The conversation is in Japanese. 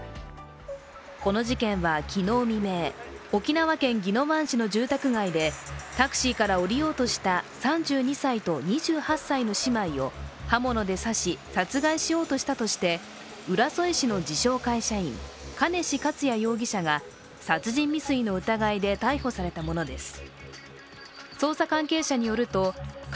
この事件は昨日未明沖縄県宜野湾市の住宅街でタクシーから降りようとした３２歳と２８歳の姉妹を刃物で刺し殺害しようとしたとして、浦添市の自称・会社員兼次克也容疑者が殺人未遂の疑いで逮捕されたものです。